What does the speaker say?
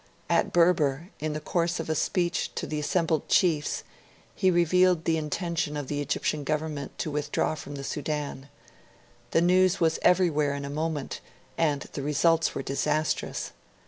At Berber, in the course of a speech to the assembled chiefs, he revealed the intention of the Egyptian Government to withdraw from the Sudan. The news was everywhere in a moment, and the results were disastrous.